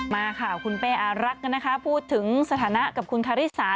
มาค่ะคุณเป้อารักกันนะคะพูดถึงสถานะกับคุณคาริสา